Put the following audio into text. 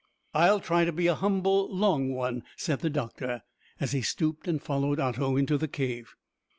"I'll try to be a humble long one," said the doctor as he stooped and followed Otto into the cave.